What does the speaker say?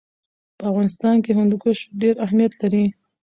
په افغانستان کې هندوکش ډېر اهمیت لري.